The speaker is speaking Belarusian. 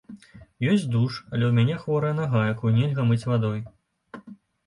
Ёсць душ, але ў мяне хворая нага, якую нельга мыць вадой.